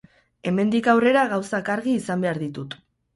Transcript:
Hemendik aurrera, gauzak argi izan behar ditut.